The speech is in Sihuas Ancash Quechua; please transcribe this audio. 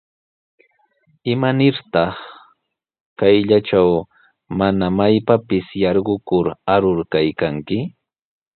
¿Imanirtaq kayllatraw mana maypapis yarqukur arur kaykanki?